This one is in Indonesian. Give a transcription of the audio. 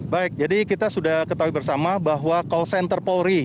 baik jadi kita sudah ketahui bersama bahwa call center polri